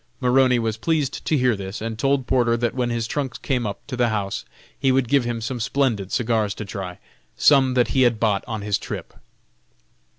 Maroney was pleased to hear this, and told Porter that when his trunks came up to the house he would give him some splendid cigars to try some that he had bought on his trip.